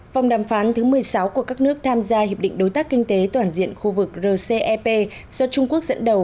vòng đàm phán thứ một mươi sáu của các nước tham gia hiệp định đối tác kinh tế toàn diện khu vực rcep do trung quốc dẫn đầu